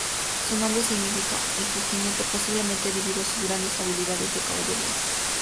Su nombre significa ‘elfo-jinete’, posiblemente debido a sus grandes habilidades de caballería.